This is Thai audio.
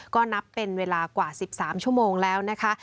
ก็นับเป็นเวลากว่า๑๓ชั่วโมงแล้วนะคะ